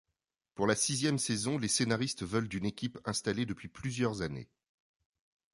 Pour la sixième saison, les scénaristes veulent d'une équipe installée depuis plusieurs années.